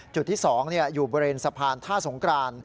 จุดที่๒อยู่บริเวณสะพานท่าสงกราน